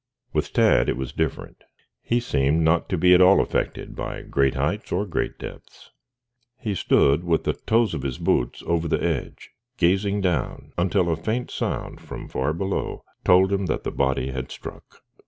With Tad it was different. He seemed not to be at all affected by great heights or great depths. He stood with the toes of his boots over the edge, gazing down until a faint sound from far below told him that the body had struck.